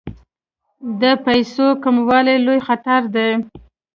د پیسو کموالی لوی خطر دی.